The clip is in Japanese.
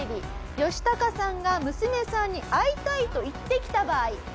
ヨシタカさんが娘さんに会いたいと言ってきた場合。